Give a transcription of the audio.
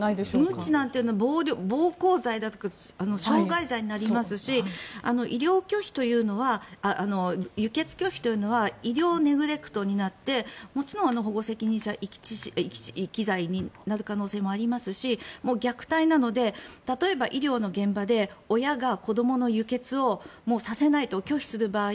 むちなんて暴行罪とか傷害罪になりますし輸血拒否というのは医療ネグレクトになってもちろん、保護責任者遺棄罪になる可能性もありますし虐待なので例えば医療の現場で親が子どもの輸血をさせないと拒否する場合